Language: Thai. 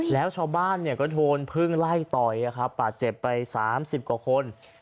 แล้วชาวบ้านก็โดนพึ่งไล่ต่อยบาดเจ็บไป๓๐กว่าคน